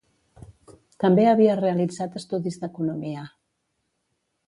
També havia realitzat estudis d'economia.